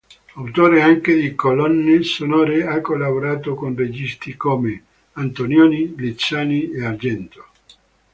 Autore anche di colonne sonore, ha collaborato con registi come Antonioni, Lizzani e Argento.